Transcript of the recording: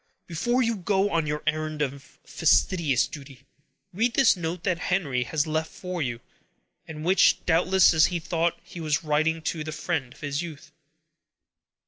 "Before you go on your errand of fastidious duty, read this note that Henry has left for you, and which, doubtless, he thought he was writing to the friend of his youth."